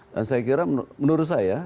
dan saya kira menurut saya